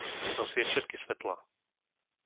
Rozsvieť všetky svetlá.